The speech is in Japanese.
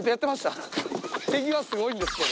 手際すごいんですけど。